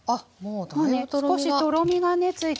少しとろみがねついてますね。